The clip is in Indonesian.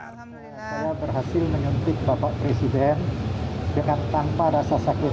presiden dengan tanpa rasa sakit